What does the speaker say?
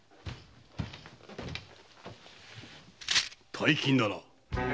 大金だなぁ。